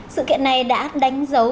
sự kiện này đã đánh dấu